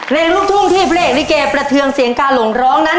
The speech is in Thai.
เรียงลูกทุ่มที่เพลงริเกย์ประเทืองเสียงกาหลงร้องนั้น